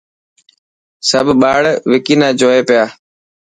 سڀ ٻاڙ وڪي نا جوئي پيا.